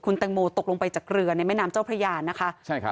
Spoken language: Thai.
แตงโมตกลงไปจากเรือในแม่น้ำเจ้าพระยานะคะใช่ครับ